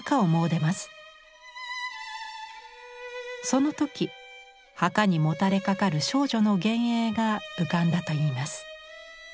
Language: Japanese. その時墓にもたれかかる少女の幻影が浮かんだと言います。